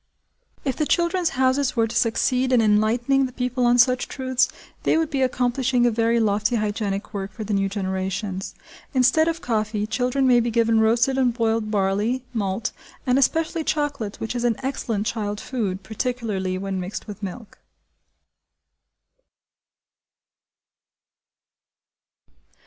If the "Children's Houses" were to succeed in enlightening the people on such truths, they would be accomplishing a very lofty hygienic work for the new generations. Instead of coffee, children may be given roasted and boiled barley, malt, and especially chocolate which is an excellent child food, particularly when mixed with milk.